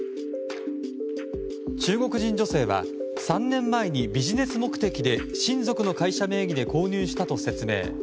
中国人女性は３年前にビジネス目的で親族の会社名義で購入したと説明。